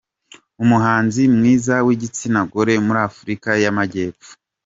Umuhanzi mwiza w’igitsina gore muri Afurika y’Amajyepfo.